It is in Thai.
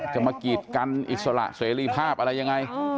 มากีดกันอิสระเสรีภาพอะไรยังไง